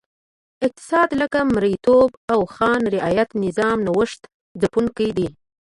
اقتصاد لکه مریتوب او خان رعیت نظام نوښت ځپونکی دی.